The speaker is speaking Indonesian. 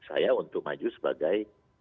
saya untuk maju sebagai